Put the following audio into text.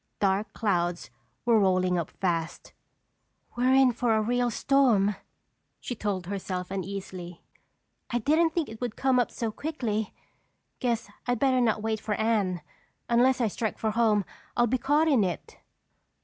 Dark clouds were rolling up fast. "We're in for a real storm," she told herself uneasily. "I didn't think it would come up so quickly. Guess I'd better not wait for Anne. Unless I strike for home, I'll be caught in it."